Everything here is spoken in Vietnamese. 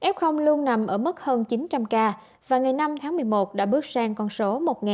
f luôn nằm ở mức hơn chín trăm linh ca và ngày năm tháng một mươi một đã bước sang con số một tám mươi bốn